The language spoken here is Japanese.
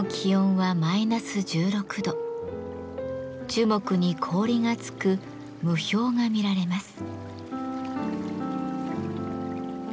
樹木に氷がつく霧氷が見られます。